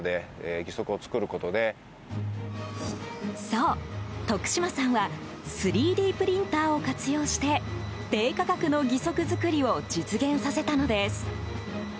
そう、徳島さんは３Ｄプリンターを活用して低価格の義足作りを実現させたのです。